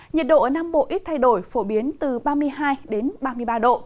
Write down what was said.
nhiệt độ ở nam bộ ít thay đổi phổ biến từ ba mươi hai ba mươi ba độ